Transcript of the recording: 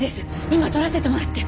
今撮らせてもらって。